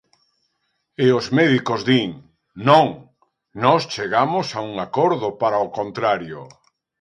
E os médicos din: Non, nós chegamos a un acordo para o contrario.